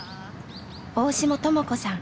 大志茂智子さん